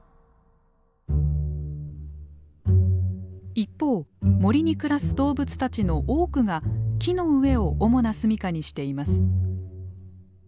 一方森に暮らす動物たちの多くが木の上を主な住みかにしています。